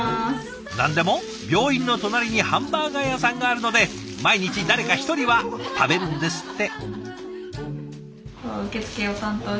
何でも病院の隣にハンバーガー屋さんがあるので毎日誰か一人は食べるんですって。